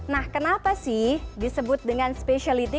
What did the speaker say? nah kenapa sih disebut dengan specialty